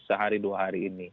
sehari dua hari ini